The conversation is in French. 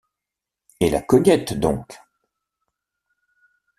Et la Cognette donc !